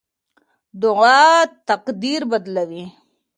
دعا تقدیر بدلوي.